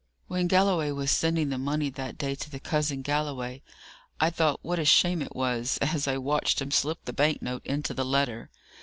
When Galloway was sending the money that day to the cousin Galloway, I thought what a shame it was, as I watched him slip the bank note into the letter.